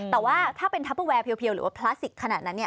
แต่ว่าถ้าเป็นทัพเบอร์แวร์เพียวหรือว่าพลาสติกขนาดนั้นเนี่ย